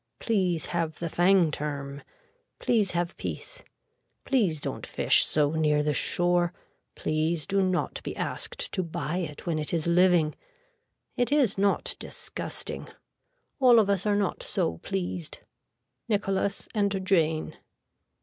Please have the Fangturm. Please have peace. Please don't fish so near the shore. Please do not be asked to buy it when it is living. It is not disgusting. All of us are not so pleased. (Nicholas and Jane.)